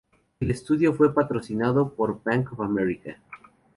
El estudio fue patrocinado por Bank of America.